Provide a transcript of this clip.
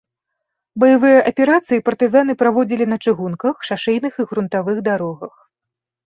Баявыя аперацыі партызаны праводзілі на чыгунках, шашэйных і грунтавых дарогах.